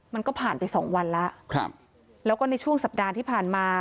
มันก็ผ่านไปสองวันแล้วครับแล้วก็ในช่วงสัปดาห์ที่ผ่านมา